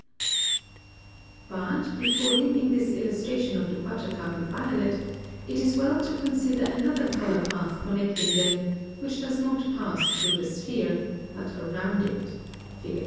(78) But, before leaving this illustration of the buttercup and violet, it is well to consider another color path connecting them which does not pass through the sphere, but around it (Fig.